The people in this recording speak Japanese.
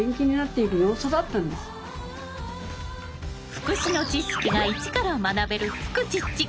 福祉の知識が一から学べる「フクチッチ」。